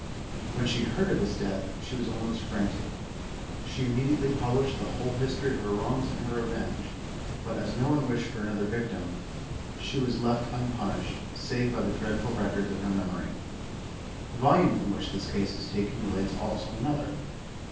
When she heard of his death she was almost frantic. " She immediately published the whole history of her wrongs and her revenge," but as " no one wished for another victim, she was left unpunished, save by the dread ful records of her memory." The volume from which this case is taken relates also another.